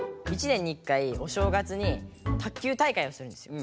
１年に１回お正月に卓球大会をするんですよ。